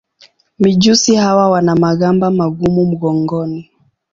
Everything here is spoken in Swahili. Mijusi hawa wana magamba magumu mgongoni.